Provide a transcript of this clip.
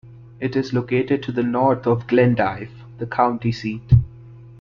It is located to the north of Glendive, the county seat.